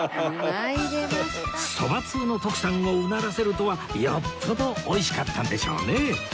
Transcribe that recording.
そば通の徳さんをうならせるとはよっぽどおいしかったんでしょうね